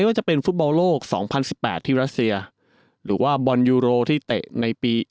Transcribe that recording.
ว่าจะเป็นฟุตบอลโลก๒๐๑๘ที่รัสเซียหรือว่าบอลยูโรที่เตะในปี